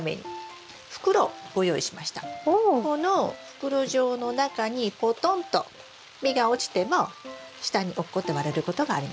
この袋状の中にポトンと実が落ちても下に落っこって割れることがありません。